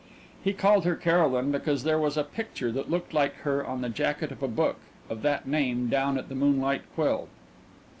He called her Caroline because there was a picture that looked like her on the jacket of a book of that name down at the Moonlight Quill.